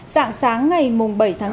sẵn sàng ngày bảy tháng ba